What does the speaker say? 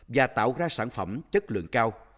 và tạo ra sản phẩm chất lượng cao